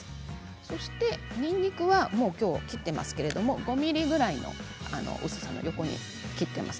そして、にんにくはきょう切っていますけど５ｍｍくらいの薄さに切っています。